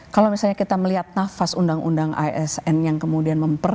kalau misalnya kita melihat nafas undang undang asn yang kemudian memperbaiki